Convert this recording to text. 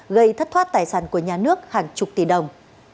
gây thất thoát tài sản của nhà nước hàng chục tỷ đồng